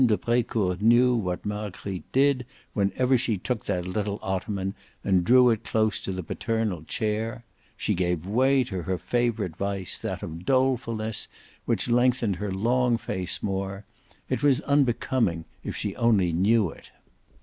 de Brecourt knew what Marguerite did whenever she took that little ottoman and drew it close to the paternal chair: she gave way to her favourite vice, that of dolefulness, which lengthened her long face more: it was unbecoming if she only knew it.